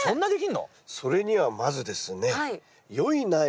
それにはまずですね